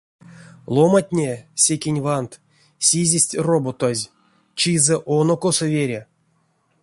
Ломантне, секень вант, сизесть роботазь, чизэ оно косо вере.